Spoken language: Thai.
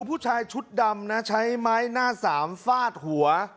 ผู้ชายชุดดำนะใช้ไม้หน้าสามฟาดหัว